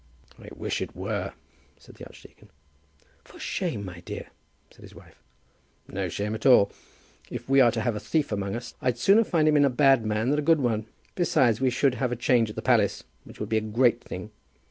'" "I wish it were," said the archdeacon. "For shame, my dear," said his wife. "No shame at all. If we are to have a thief among us, I'd sooner find him in a bad man than a good one. Besides we should have a change at the palace, which would be a great thing."